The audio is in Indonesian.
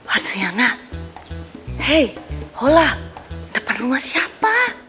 adriana hei hola depan rumah siapa